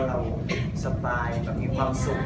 เราสบายเรามีความสุข